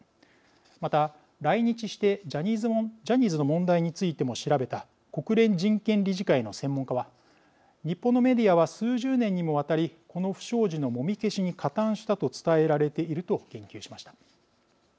また、来日してジャニーズの問題についても調べた国連人権理事会の専門家は日本のメディアは数十年にもわたりこの不祥事のもみ消しに加担したと伝えられていると言及しました。